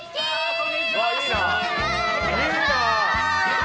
こんにちはー！